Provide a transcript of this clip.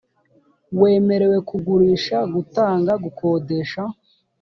wemerewe kugurisha gutanga gukodesha